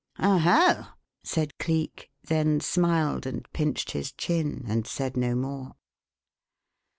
"Oho!" said Cleek, then smiled and pinched his chin and said no more.